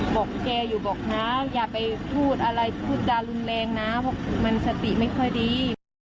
บอกแกอยู่บอกนะอย่าไปพูดอะไรพูดจารุนแรงนะเพราะมันสติไม่ค่อยดี